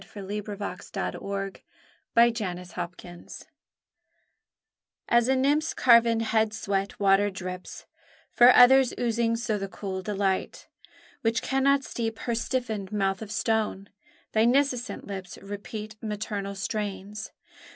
TO A CHILD HEARD REPEATING HER MOTHER'S VERSES As a nymph's carven head sweet water drips, For others oozing so the cool delight Which cannot steep her stiffened mouth of stone Thy nescient lips repeat maternal strains.